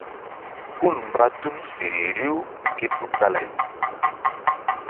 Hul mba tul feri riw ké tukala ay.